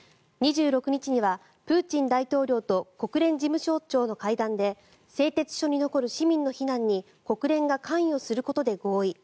２６日には、プーチン大統領と国連事務総長の会談で製鉄所に残る市民の避難に国連が関与することで合意。